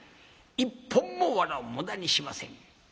一本も藁を無駄にしません。